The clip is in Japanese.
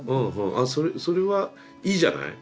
あそれそれはいいじゃない。